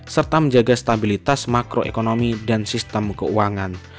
serta menjaga stabilitas makroekonomi dan sistem keuangan